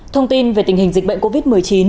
thông tin về tình hình dịch bệnh covid một mươi chín